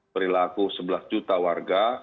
berlaku sebelas juta warga